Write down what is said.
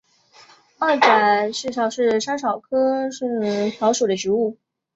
二籽薹草是莎草科薹草属的植物。